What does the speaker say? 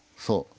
そう。